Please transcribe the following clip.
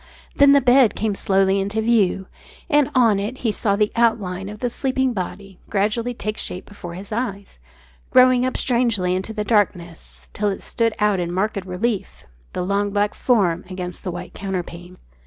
Then the bed came slowly into view. And on it he saw the outline of the sleeping body gradually take shape before his eyes, growing up strangely into the darkness, till it stood out in marked relief the long black form against the white counterpane.